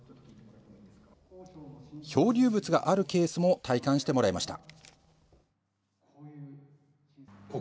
漂流物があるケースも体感してもらいました。